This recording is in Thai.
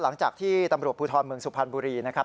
หลังจากที่ตำรวจภูทรเมืองสุพรรณบุรีนะครับ